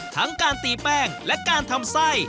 ทั้งการตีแป้งและการทำไส้